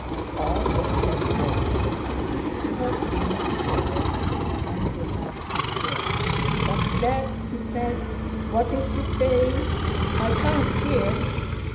All looked at James. He was leaning forward with his hand behind his ear. "What's that?" he said. "What's he saying? I can't hear."